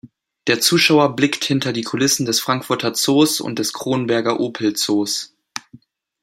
Der Zuschauer blickt hinter die Kulissen des Frankfurter Zoos und des Kronberger Opel-Zoos.